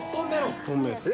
１本目ですね。